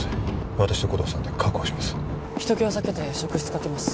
私と護道さんで確保します人けを避けて職質かけます